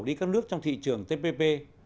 đi các nước trong thị trường tpp